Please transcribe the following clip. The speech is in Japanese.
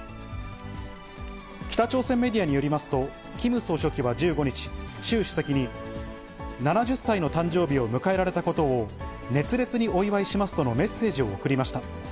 北朝鮮メディアによりますと、キム総書記は１５日、習主席に、７０歳の誕生日を迎えられたことを熱烈にお祝いしますとのメッセージを送りました。